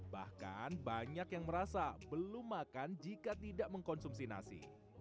bahkan banyak yang merasa belum makan jika tidak mengkonsumsi nasi